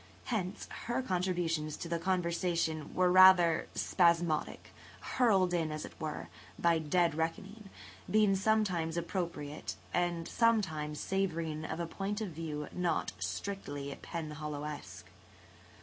Hence, her contributions to the conversation were rather spasmodic, hurled in, as it were, by dead reckoning, being sometimes appropriate and sometimes savouring of a point of view not strictly Penhallowesque.